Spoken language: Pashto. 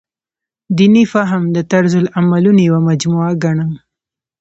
دیني فهم د طرزالعملونو یوه مجموعه ګڼم.